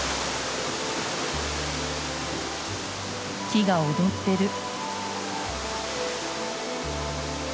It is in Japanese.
木が踊ってる。